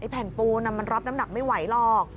แผ่นปูนมันรับน้ำหนักไม่ไหวหรอก